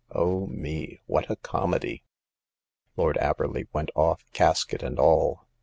Oh, me, what a comedy !" Lord Averley went off, casket and all.